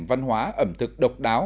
văn hóa ẩm thực độc đáo